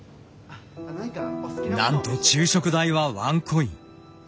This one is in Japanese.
なんと昼食代はワンコイン。